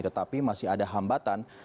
tetapi masih ada hambatan